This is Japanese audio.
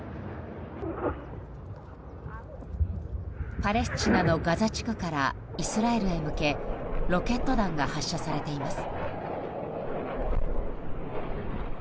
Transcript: パレスチナのガザ地区からイスラエルへ向けロケット弾が発射されています。